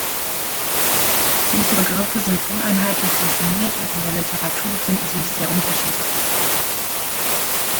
Diese Begriffe sind uneinheitlich definiert und in der Literatur finden sich sehr unterschiedliche Zahlen.